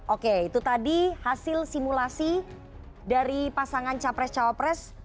oke itu tadi hasil simulasi dari pasangan capres cawapres